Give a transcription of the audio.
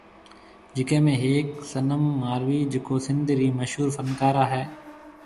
جڪي ۾ ھيَََڪ صنم ماروي جڪو سنڌ رِي مشھور فنڪارا ھيَََ